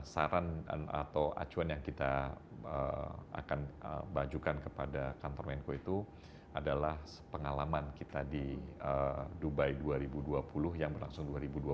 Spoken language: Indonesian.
saran atau acuan yang kita akan bajukan kepada kantor menko itu adalah pengalaman kita di dubai dua ribu dua puluh yang berlangsung dua ribu dua puluh